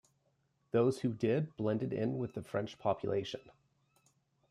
Those who did blended in with the French population.